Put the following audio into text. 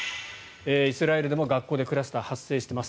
イスラエルでも学校でクラスター発生しています。